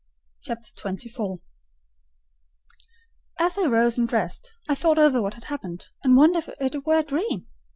CHAPTER XXIV As I rose and dressed, I thought over what had happened, and wondered if it were a dream.